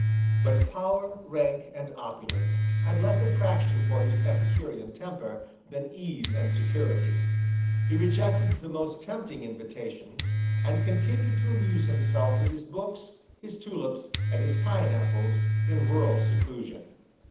But power, rank, and opulence had less attraction for his Epicurean temper than ease and security. He rejected the most tempting invitations, and continued to amuse himself with his books, his tulips, and his pineapples, in rural seclusion.